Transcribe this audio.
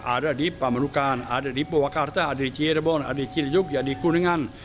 ada di pamerukan ada di purwakarta ada di cirebon ada di cirejog di kuningan